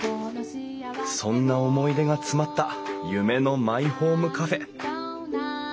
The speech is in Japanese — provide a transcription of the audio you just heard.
そんな思い出が詰まった夢のマイホームカフェ。